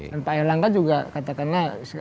dan pak erlangga juga katakanlah